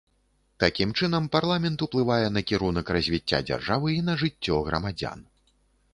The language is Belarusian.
Такім чынам парламент уплывае на кірунак развіцця дзяржавы і на жыццё грамадзян.